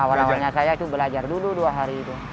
awal awalnya saya itu belajar dulu dua hari itu